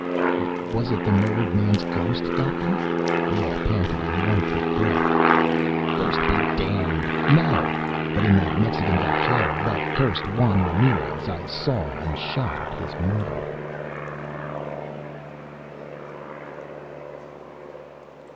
"Was it the murdered man's ghost, Doctor?" we all panted in one quick breath. "Ghost be d d! No! But in that Mexican vaquero that cursed Juan Ramirez! I saw and shot at his murderer!"